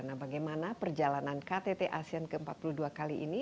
nah bagaimana perjalanan ktt asean ke empat puluh dua kali ini